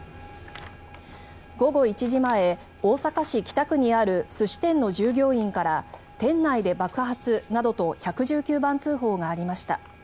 午後１時前、大阪市北区にある寿司店の従業員から店内で爆発などと１１９番通報がありました。